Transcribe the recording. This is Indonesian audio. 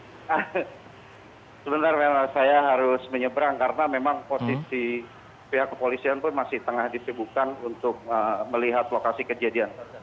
sebenarnya saya harus menyeberang karena memang posisi pihak kepolisian pun masih tengah disibukkan untuk melihat lokasi kejadian